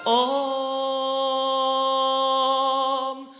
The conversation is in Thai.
โอ้ม